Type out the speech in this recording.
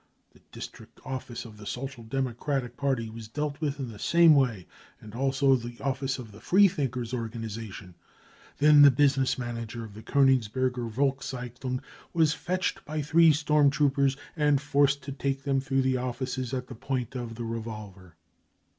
The district office of the Social Democratic Party was dealt with in the same way, and also the office of the Freethinkers organisa tion. Then the business manager of the Konigsberger Volkszeitung was fetched by three storm troopers, and forced to take them through the offices at the point of , the revolver.